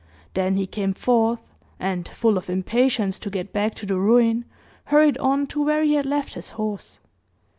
Then he came forth, and, full of impatience to get back to the ruin, hurried on to where he had left his horse.